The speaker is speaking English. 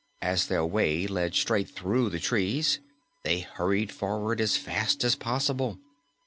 As their way led straight through the trees, they hurried forward as fast as possible.